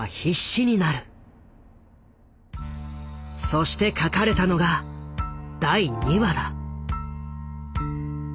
そして書かれたのが第２話だ。